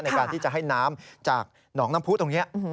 ในการที่จะให้น้ำจากหนองน้ำผู้ตรงนี้